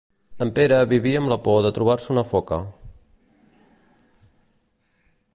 En Pere vivia amb la por de trobar-se una foca.